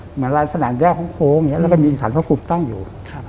เหมือนร้านสนานแด้ของโค้งแล้วก็มีอินสารพระคุมตั้งอยู่